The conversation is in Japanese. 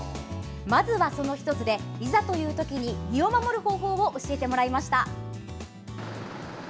まずは、その１つでいざという時に身を守る方法を教えてもらいました。